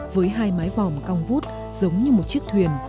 với hai mái vòm cong vút giống như một chiếc thuyền